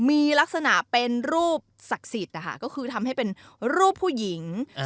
มีลักษณะเป็นรูปศักดิ์สิทธิ์นะคะก็คือทำให้เป็นรูปผู้หญิง